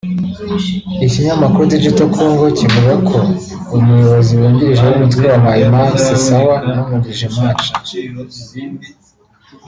Ikinyamakuru Digital Congo kivuga ko Umuyobozi wungirije w’umutwe wa Maï Maï Sisawa n’umwungirije Maj